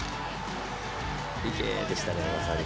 いけ！でしたね、まさに。